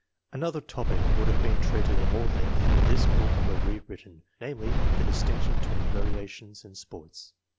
Another topic would have been treated at more length if this book were rewritten namely, the distinction be tween variations and sports.